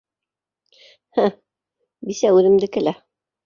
- һе, бисә үҙемдеке лә